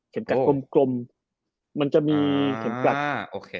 เข็มกลัดกลมมันจะมีเข็มกลัด